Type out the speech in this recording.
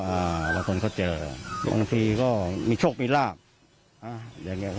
อ่าพอคนเจอบางทีก็มีชกมีลากอย่างเนี้ย